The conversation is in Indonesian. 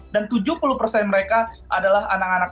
dan tujuh puluh mereka adalah anak anak